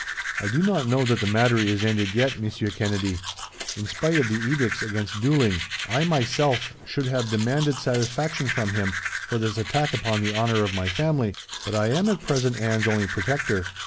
"I do not know that the matter is ended yet, Monsieur Kennedy. In spite of the edicts against duelling, I myself should have demanded satisfaction from him, for this attack upon the honour of my family, but I am at present Anne's only protector.